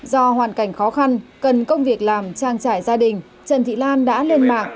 do hoàn cảnh khó khăn cần công việc làm trang trải gia đình trần thị lan đã lên mạng